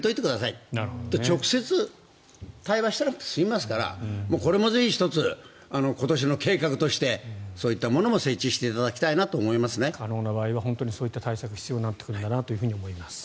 そうすると、直接対話せずに済みますからこれもぜひ１つ今年の計画としてそういったものも設置していただきたいと可能な場合は本当にそういった対策が必要になってくると思います。